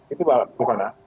itu mbak ripana